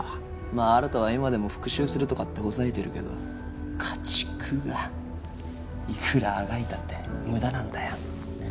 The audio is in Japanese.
まあ新は今でも復讐するとかってほざいてるけど家畜がいくらあがいたって無駄なんだよ。